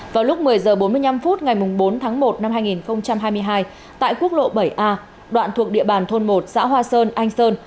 vào lúc một mươi h bốn mươi năm phút ngày bốn tháng một năm hai nghìn hai mươi hai tại quốc lộ bảy a đoạn thuộc địa bàn thôn một xã hoa sơn anh sơn